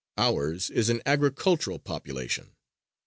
Ours is an agricultural population.